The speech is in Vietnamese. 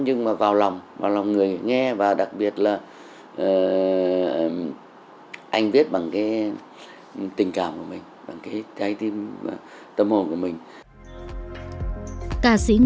nhưng mà vào lòng vào lòng người nghe và đặc biệt là anh viết bằng cái tình cảm của mình bằng cái trái tim tâm hồn của mình